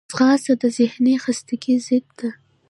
ځغاسته د ذهني خستګي ضد ده